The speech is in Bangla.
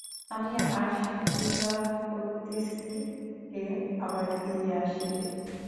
আমি আশীর্বাদ করিতেছি, সে আবার ফিরিয়া আসিবে।